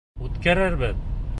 Үткәрербеҙ!